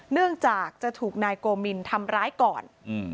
เนื่องจากจะถูกนายโกมินทำร้ายก่อน